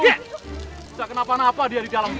tidak kenapa napa dia di dalam